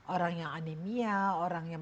orang yang anemia orang yang